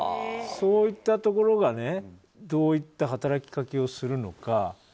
そういったところがねどういった働きかけをするのか。